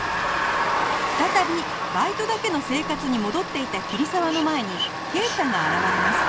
再びバイトだけの生活に戻っていた桐沢の前に圭太が現れます